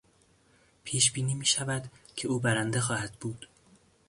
پیشبینی میشود که او برنده خواهد بود.